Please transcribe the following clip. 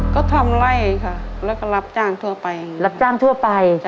ก็ทำไรค่ะแล้วก็รับจ้างทั่วไป